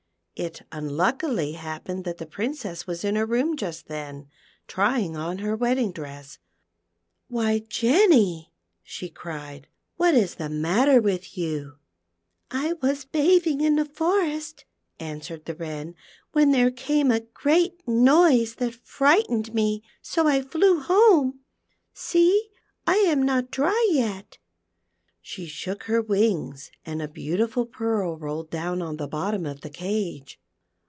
It unluckily happened that the Princess was in her room just then, trying on her wedding dress. "Why, Jenny," she cried, "what is the matter with you .•*"" I was bathing in the forest," answered the Wren, "when there came a great noise that frightened me, so I flew home. See, I am not dry yet." She shook her wings and a beautiful pearl rolled down on the bottom of the cage.